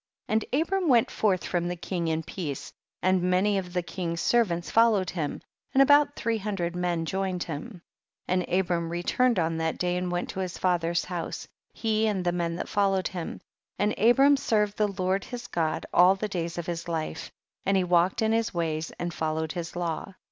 41. And Abram went forth from the king in peace, and many of the king's servants followed him, and about three hundred men jomed himv 42. And Abram returned on that day and went to his fathers house, he and the men that followed him, and Abram served the Lord his God all the days of his life, and he walked in his ways ar\dfoUoived his law.